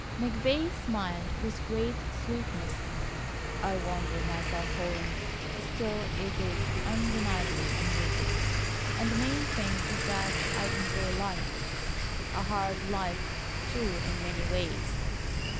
McVay smiled with great sweetness. "I wonder myself, Holland. Still it is undeniably amusing, and the main thing is that I enjoy life,—a hard life too in many ways.